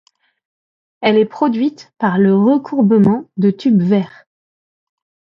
Elle est produite par le recourbement de tubes verre.